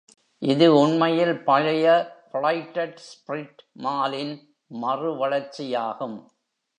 இது உண்மையில் பழைய ப்ளைட்டட் ஸ்ட்ரிப்-மாலின் மறு வளர்ச்சியாகும்.